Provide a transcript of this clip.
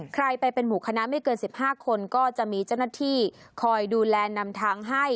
ใครไปเป็นหมู่คณะไม่เกิน๑๕คนก็จะมีเจ้าหน้าที่คอยดูแลนำทางให้